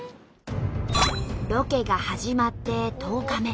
ロケが始まって１０日目。